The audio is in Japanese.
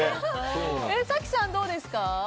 早紀さん、どうですか？